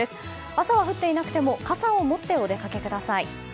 朝は降っていなくても傘を持ってお出かけください。